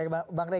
baik bang ray